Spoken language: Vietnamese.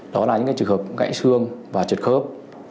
đó là những cái trường hợp gãy xương và trượt khớp